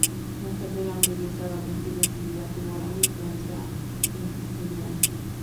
Mujer de gran belleza, valiente y decidida, tuvo gran influencia en Justiniano.